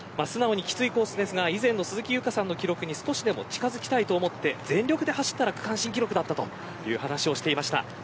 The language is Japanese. きついコースですが以前の鈴木さんの記録に近づきたいと思って全力で走ったら区間新だったという話をしていました。